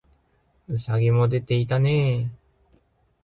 兎もでていたねえ